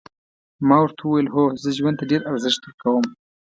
ما ورته وویل هو زه ژوند ته ډېر ارزښت ورکوم.